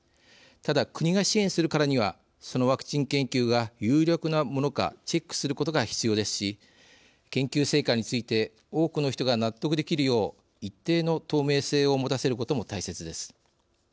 ただ、国が支援するからにはそのワクチン研究が有力なものかチェックすることが必要ですし研究成果について多くの人が納得できるよう一定の透明性をもたせることも大切です。